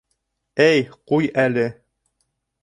Әй, ҡуй әле!